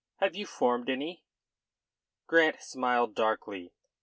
Have you formed any?" Grant smiled darkly.